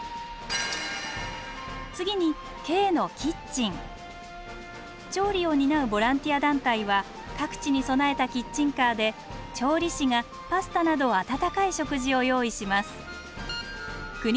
次に調理を担うボランティア団体は各地に備えたキッチンカーで調理師がパスタなどあたたかい食事を用意します。